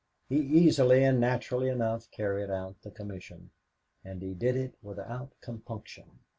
He easily and naturally enough carried out the commission, and he did it without compunction.